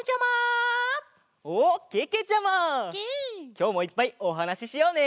きょうもいっぱいおはなししようね！